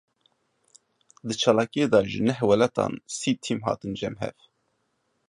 Di çalakiyê de ji neh welatan sî tîm hatin cem hev.